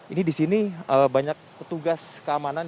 ini di sini banyak petugas keamanan